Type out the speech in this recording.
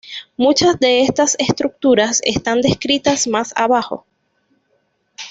Muchas de estas estructuras están descritas más abajo.